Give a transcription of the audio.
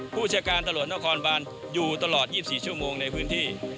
ผู้จัดการตำรวจนครบานอยู่ตลอด๒๔ชั่วโมงในพื้นที่